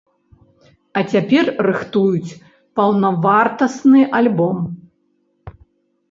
А цяпер рыхтуюць паўнавартасны альбом.